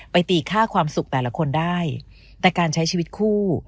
ตีค่าความสุขแต่ละคนได้แต่การใช้ชีวิตคู่